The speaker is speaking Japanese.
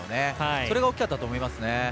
それが大きかったと思います。